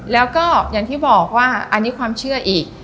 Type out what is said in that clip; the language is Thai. แล้วก็อย่างที่บอกว่าอันนี้ความเชื่ออีก